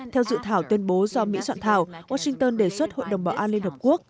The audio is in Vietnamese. theo dự thảo tuyên bố do mỹ soạn thảo washington đề xuất hội đồng bảo an liên hợp quốc